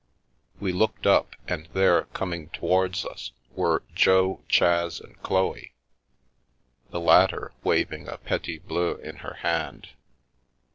We looked up, and there, coming towards us, were Jo, Chas and Chloe, the latter waving a petit bleu in her hand.